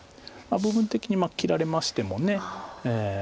部分的に切られましてもええ。